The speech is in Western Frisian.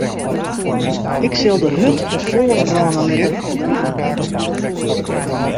Ik sil de hurd wat fûler brâne litte.